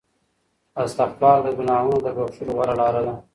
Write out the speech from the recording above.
استغفار د ګناهونو د بخښلو غوره لاره ده.